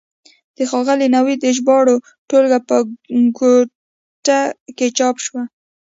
د ښاغلي نوید د ژباړو ټولګه په کوټه کې چاپ شوه.